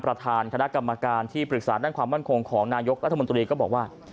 ประธานคำถามกรรมการที่ปรึกษาด้านความว่างโครงของนายกรรภมนตรีบอกว่า